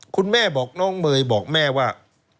คุณแม่บอกน้องเมย์บอกแม่ว่า